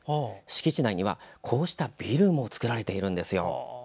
敷地内にはこうしたビルも造られています。